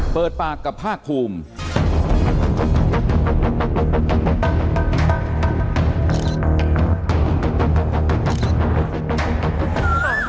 เปิดปากกับภาคภูมิ